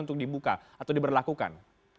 untuk dibuka atau diberlakukan